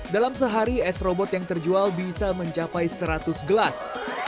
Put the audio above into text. dalam sehari s robot yang terjual bisa mencapai seratus gelas